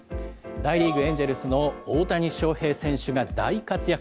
大リーグ・エンジェルスの大谷翔平選手が大活躍。